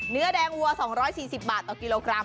เนื้อแดงวัว๒๔๐บาทต่อกิโลกรัม